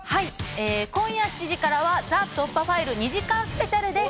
今夜７時からは『ＴＨＥ突破ファイル』２時間スペシャルです。